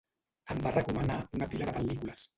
Em va recomanar una pila de pel·lícules